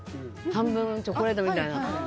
半分チョコレートみたいな。